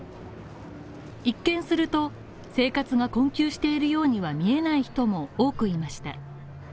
一見すると、生活が困窮しているようには見えない人も多くいました。